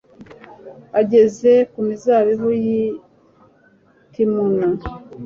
ageze ku mizabibu y'i timuna